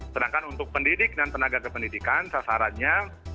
sedangkan untuk pendidik dan tenaga kependidikan sasarannya lima enam